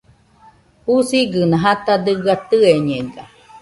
Jusigɨna jata dɨga tɨeñega